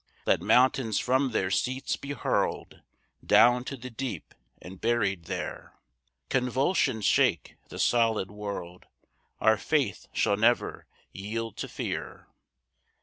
2 Let mountains from their seats be hurl'd Down to the deep, and buried there; Convulsions shake the solid world, Our faith shall never yield to fear.